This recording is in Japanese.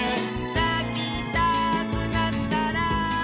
「なきたくなったら」